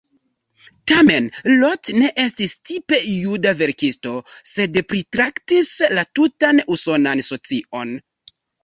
Tamen Roth ne estis tipe juda verkisto, sed pritraktis la tutan usonan socion.